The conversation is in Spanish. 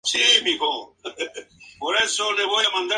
¡Oh!, ¡oh!, ¡oh!,Esta es la linda tierra que busco yo;